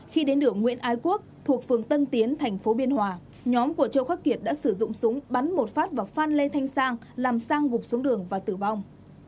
khi đến đường nguyễn ái quốc thuộc phường tân tiến tp biên hòa nhóm của châu khắc kiệt đã sử dụng súng bắn một phát vào phan lê thanh sang làm sang gục xuống đường và tử vong